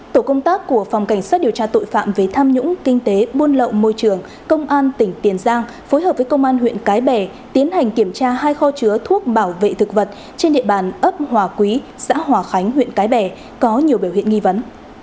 tổ công tác của phòng cảnh sát điều tra tội phạm về tham nhũng kinh tế buôn lậu môi trường công an tỉnh tiền giang phối hợp với công an huyện cái bè tiến hành kiểm tra hai kho chứa thuốc bảo vệ thực vật trên địa bàn ấp hòa quý xã hòa khánh huyện cái bè có nhiều biểu hiện nghi vấn